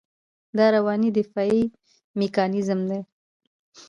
دا رواني دفاعي میکانیزم دی.